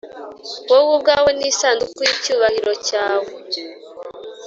wowe ubwawe n’isanduku y’icyubahiro cyawe